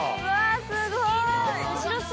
すごーい！